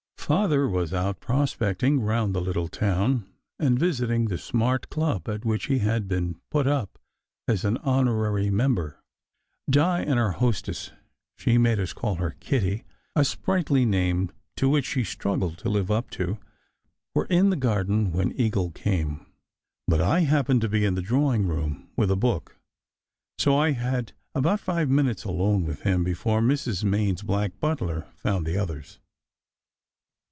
Father was out prospecting round the little town, and visiting the smart club at which he had been put up as an honorary member. Di and our hostess (she made us call her Kitty, a sprightly name to which she struggled to live up to) were in the garden when Eagle 64 SECRET HISTORY came, but I happened to be in the drawing room with a book, so I had about five minutes alone with him before Mrs. Main s black butler found the others.